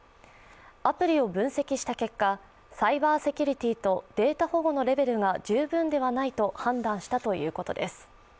アプリを分析した結果、サイバーセキュリティーとデータ保護のレベルが十分ではないと判断したということです。